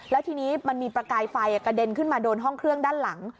แล้วทีนี้มันมีประกายไฟกระเด็นขึ้นมาโดนห้องเครื่องด้านหลัง